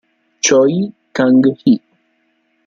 Choi Kang-hee